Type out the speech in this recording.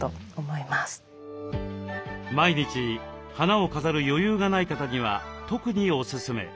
毎日花を飾る余裕がない方には特におすすめ。